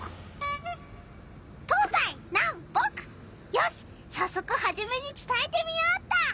よしさっそくハジメにつたえてみようっと！